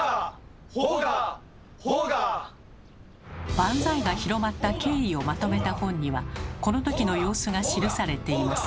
「バンザイ」が広まった経緯をまとめた本にはこのときの様子が記されています。